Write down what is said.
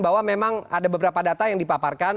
bahwa memang ada beberapa data yang dipaparkan